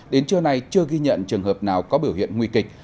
đến trưa nay chưa ghi nhận trường hợp nào có biểu hiện nguy kịch